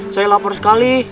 saya lapar sekali